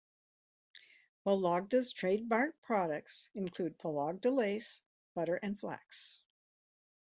Vologda's trademark products include Vologda lace, butter, and flax.